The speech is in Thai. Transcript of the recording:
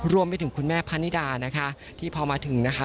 รวมไปถึงคุณแม่พะนิดานะคะที่พอมาถึงนะคะ